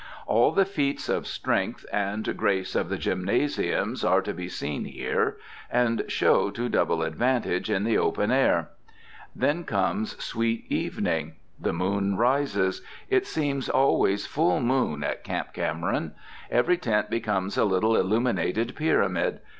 All the feats of strength and grace of the gymnasiums are to be seen here, and show to double advantage in the open air. Then comes sweet evening. The moon rises. It seems always full moon at Camp Cameron. Every tent becomes a little illuminated pyramid.